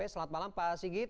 selamat malam pak sigit